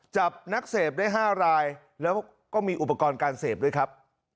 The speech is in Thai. จับนักเสพได้๕รายแล้วก็มีอุปกรณ์การเสพด้วยครับ